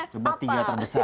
coba tiga terbesar